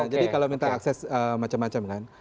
jadi kalau minta akses macam macam kan